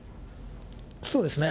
そうですね。